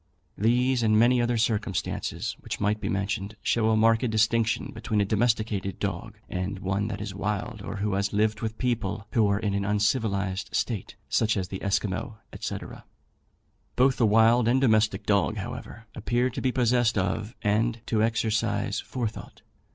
These, and many other circumstances which might be mentioned, show a marked distinction between a domesticated dog and one that is wild, or who has lived with people who are in an uncivilized state, such as the Esquimaux, &c. Both the wild and domestic dog, however, appear to be possessed of and to exercise forethought.